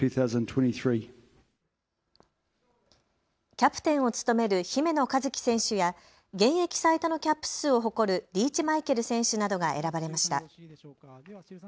キャプテンを務める姫野和樹選手や現役最多のキャップ数を誇るリーチマイケル選手などが選ばれました。